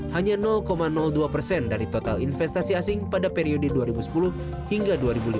hanya dua persen dari total investasi asing pada periode dua ribu sepuluh hingga dua ribu lima belas